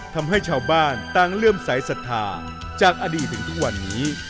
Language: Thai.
ทำให้ชาวบ้านต่างเลื่อมสายศรัทธาจากอดีตถึงทุกวันนี้